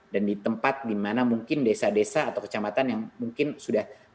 dan di tempat dimana mungkin desa desa atau kecamatan yang mungkin sudah lumayan tidak rawan infeksi covid sembilan belas